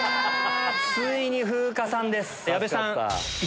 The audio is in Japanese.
ついに風花さんです。